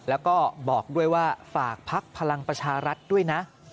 แล้วก็บอกด้วยว่าฝากภักดิ์พลังประชารัฐด้วยนะ